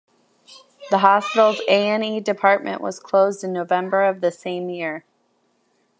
The hospital's A and E department was closed in November of the same year.